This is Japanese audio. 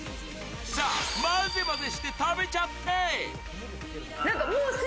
混ぜ混ぜして食べちゃって。